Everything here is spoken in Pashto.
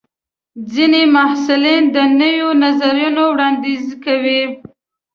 ځینې محصلین د نویو نظرونو وړاندیز کوي.